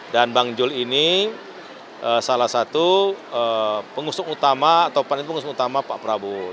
dan bang jul ini salah satu pengusung utama atau panit pengusung utama pak prabowo